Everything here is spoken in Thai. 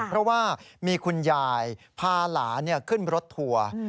เพราะว่ามีคุณยายพาหลานขึ้นรถทัวร์